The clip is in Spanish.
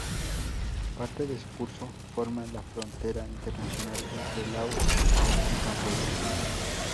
Parte de su curso forma la frontera internacional entre Laos y Camboya.